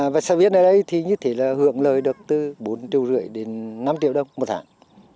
và xã viên ở đây thì như thế là hưởng lời được từ bốn triệu rưỡi đến năm triệu đồng một tháng